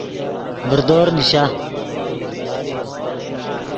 ڤردور نیشا